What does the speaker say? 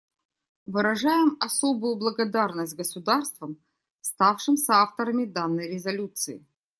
Выражаем особую благодарность государствам, ставшим соавторами данной резолюции.